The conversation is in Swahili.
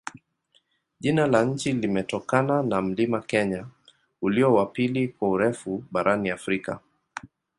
Jina la nchi limetokana na mlima Kenya, ulio wa pili kwa urefu barani Afrika.